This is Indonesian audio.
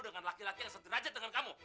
dengan laki laki yang sederajat dengan kamu